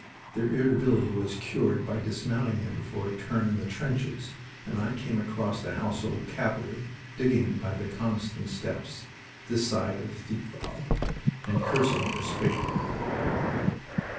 Their irritability was cured by dismounting them for a turn in the trenches, and I came across the Household Cavalry digging by the Coniston Steps, this side of Thiepval, and cursing their spade work.